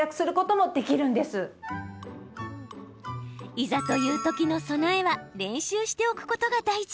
いざというときの備えは練習しておくことが大事。